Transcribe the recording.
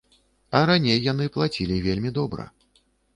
А раней яны плацілі вельмі добра.